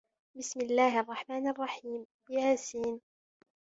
بِسمِ اللَّهِ الرَّحمنِ الرَّحيمِ يس